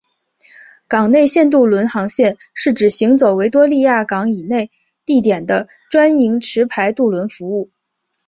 港内线渡轮航线是指行走维多利亚港以内地点的专营持牌渡轮服务。